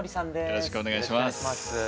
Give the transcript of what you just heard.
よろしくお願いします。